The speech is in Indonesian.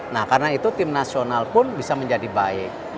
nah karena itu tim nasional pun bisa menjadi baik